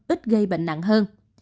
ít gây bệnh nặng hơn